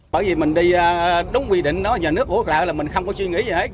bởi vì mình đi đúng quy định đó nhà nước hỗ trợ là mình không có suy nghĩ gì hết